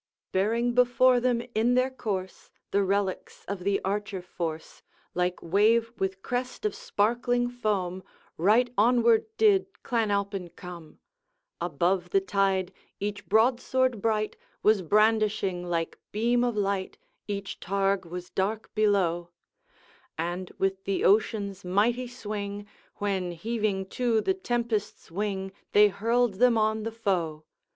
'Bearing before them in their course The relics of the archer force, Like wave with crest of sparkling foam, Right onward did Clan Alpine come. Above the tide, each broadsword bright Was brandishing like beam of light, Each targe was dark below; And with the ocean's mighty swing, When heaving to the tempest's wing, They hurled them on the foe.